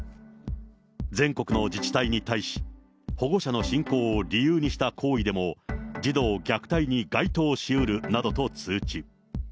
全国の自治体に対し、保護者の信仰を理由にした行為でも、児童虐待に該当しうるなどと通知。